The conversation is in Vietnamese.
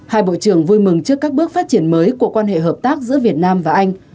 hai bộ trưởng vui mừng trước các bước phát triển mới của quan hệ hợp tác giữa việt nam và anh